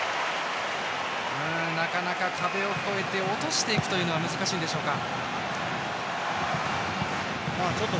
なかなか壁を越えて落としていくというのが難しいんでしょうか。